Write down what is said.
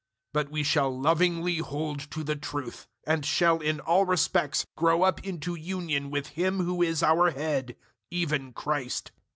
004:015 But we shall lovingly hold to the truth, and shall in all respects grow up into union with Him who is our Head, even Christ.